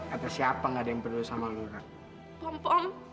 atas siapa gak ada yang peduli sama lo rang